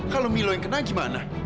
kalau milo yang kena gimana